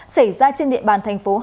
xảy ra trên địa bàn thành phố hà tĩnh